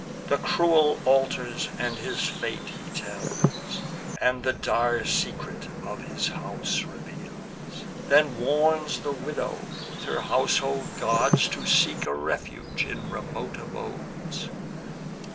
The cruel altars and his fate he tells, And the dire secret of his house reveals, Then warns the widow, with her household gods, To seek a refuge in remote abodes.